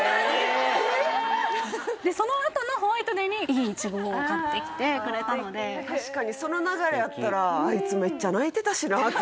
でそのあとのホワイトデーにいいイチゴを買ってきてくれたので確かにその流れやったら「買うか」